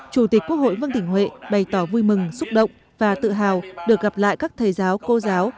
chủ tịch quốc hội vương đình huệ bày tỏ vui mừng xúc động và tự hào được gặp lại các thầy giáo cô giáo